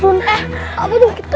sun eh apa dong kita